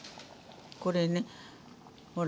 これねほら。